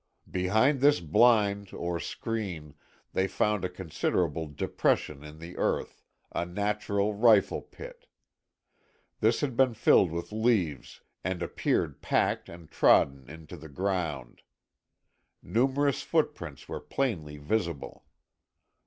Behind this blind or screen they found a considerable depression in the earth, a natural rifle pit. This had been filled with leaves and appeared packed and trodden into the ground. Numerous footprints were plainly visible.